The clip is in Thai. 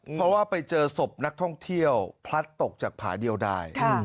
เพราะว่าไปเจอศพนักท่องเที่ยวพลัดตกจากผาเดียวได้